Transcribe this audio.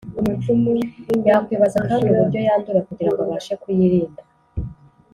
yakwibaza kandi uburyo yandura kugira ngo abashe kuyirinda